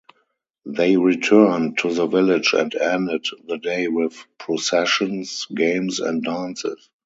They returned to the village and ended the day with processions, games, and dances.